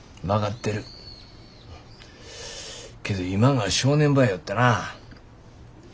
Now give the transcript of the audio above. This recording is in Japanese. けど今が正念場やよってな。